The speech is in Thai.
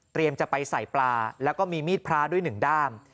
เตรียมจะไปใส่ปลาแล้วก็มีมีดพลาด้วย๑ด้าม